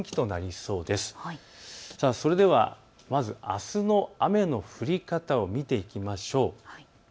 それではまず、あすの雨の降り方を見ていきましょう。